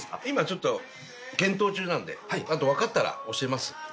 今ちょっと検討中なんで分かったら教えます。